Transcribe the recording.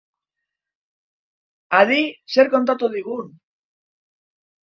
Adi zer kontatu digun.